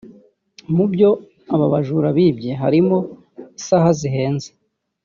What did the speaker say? Mu byo aba bajura bibye harimo isaha zihenze